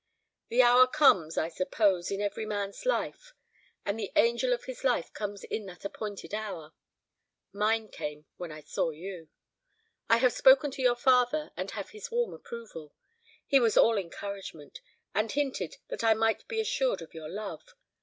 The hour comes, I suppose, in every man's life; and the angel of his life comes in that appointed hour. Mine came when I saw you. I have spoken to your father, and have his warm approval. He was all encouragement, and hinted that I might be assured of your love.